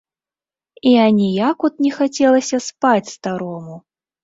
І аніяк от не хацелася спаць старому.